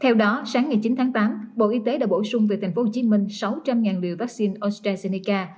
theo đó sáng ngày chín tháng tám bộ y tế đã bổ sung về thành phố hồ chí minh sáu trăm linh liều vaccine astrazeneca